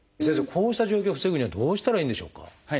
こうした状況を防ぐにはどうしたらいいんでしょうか？